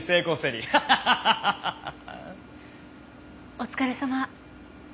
お疲れさま。